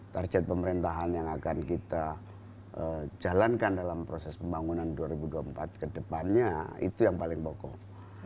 target pemerintahan yang akan kita jalankan dalam proses pembangunan dua ribu dua puluh empat kedepannya itu yang paling pokok